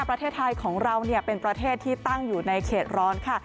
ประเทศไทยของเราเป็นประเทศที่ตั้งอยู่ในเขตร้อนค่ะ